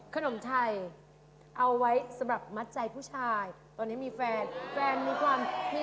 ทำไมอ่ะแม่เขาเหงาไง